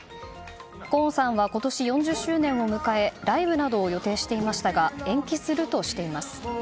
コーンさんは今年４０周年を迎えライブなどを予定していましたが延期するとしています。